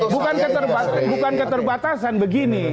bukan keterbatasan begini